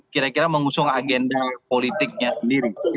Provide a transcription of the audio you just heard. kira kira mengusung agenda politiknya sendiri